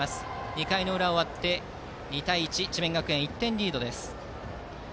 ２回の裏が終わって、２対０と智弁学園１点リードです。